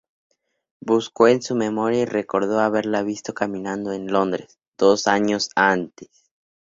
Buscó en su memoria y recordó haberla visto caminando en Londres... ¡dos años antes!